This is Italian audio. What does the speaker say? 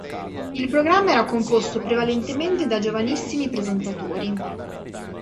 Il programma era composto prevalentemente da giovanissimi presentatori.